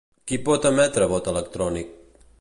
Qui pot emetre vot electrònic?